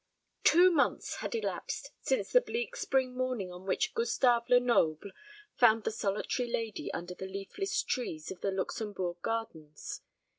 Two months had elapsed since the bleak spring morning on which Gustave Lenoble found the solitary lady under the leafless trees of the Luxembourg gardens.